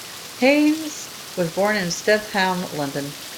Hayes was born in Streatham, London.